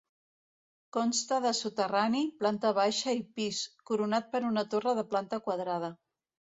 Consta de soterrani, planta baixa i pis, coronat per una torre de planta quadrada.